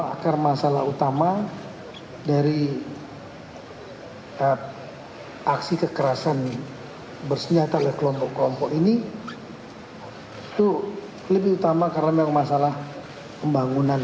akar masalah utama dari aksi kekerasan bersenjata oleh kelompok kelompok ini itu lebih utama karena memang masalah pembangunan